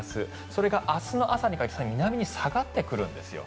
それが明日の朝にかけて南に下がってくるんですよ。